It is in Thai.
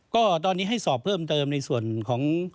ก็ตอนนี้ให้สอบเพิ่มเติมในส่วนของ